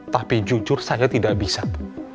tapi jujur saya tidak bisa bu